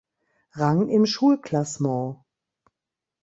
Rang im Schlussklassement.